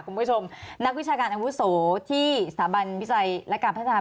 นักวิชาการอาวุโสที่สถาบันวิจัยและการพัฒนา